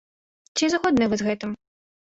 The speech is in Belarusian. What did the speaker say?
Ці згодныя вы з гэтым?